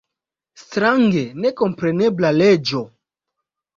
Strange nekomprenebla leĝo!